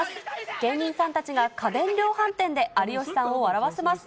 芸人さんたちが家電量販店で有吉さんを笑わせます。